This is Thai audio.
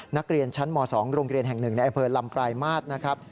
นักเรียนชั้นหมอ๒โรงเรียนแห่ง๑ในไอเฟิร์นลำปลายมาตร